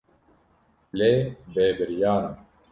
Lê bêbiryar im.